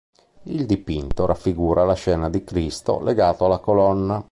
Il dipinto raffigura la scena di Cristo legato alla colonna.